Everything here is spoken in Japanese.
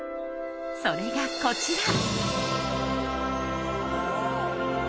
それが、こちら。